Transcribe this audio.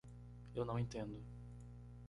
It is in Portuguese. Eu não entendo.